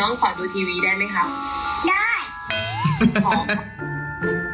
น้องขอดูทีวีได้ไหมครับ